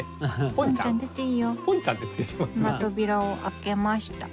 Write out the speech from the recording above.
「今扉を開けました。